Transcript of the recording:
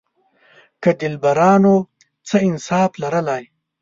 که دلبرانو څه انصاف لرلای.